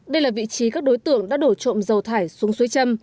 đây là vị trí các đối tượng đã đổ trộm dầu thải xuống suối châm